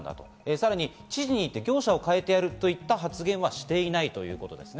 さらに知事に言って業者を変えてやるという発言はしていないということですね。